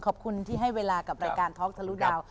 ขอบคุณที่ให้เวลากับรายการท็อกทะลุดาว